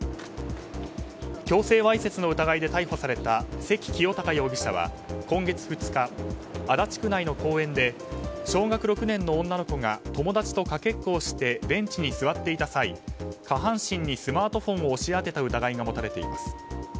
強制わいせつの疑いで逮捕された関清貴容疑者は今月２日、足立区内の公園で小学６年の女の子が友達とかけっこをしてベンチに座っていた際下半身にスマートフォンを押し当てた疑いが持たれています。